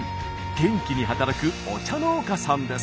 元気に働くお茶農家さんです。